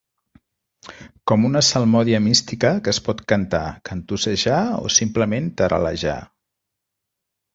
Com una salmòdia mística que es pot cantar, cantussejar o simplement taral·lejar.